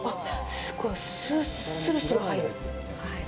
すごい。するする入る。